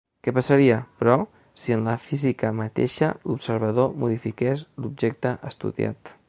Què passaria, però, si en la física mateixa l’observador modifiqués l’objecte estudiat?